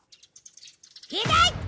ひどい！